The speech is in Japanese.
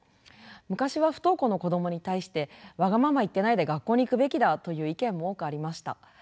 昔は不登校の子どもに対してわがまま言ってないで学校に行くべきだという意見も多くありました。